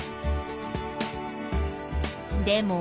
でも。